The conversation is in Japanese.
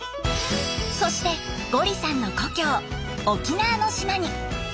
そしてゴリさんの故郷沖縄の島に。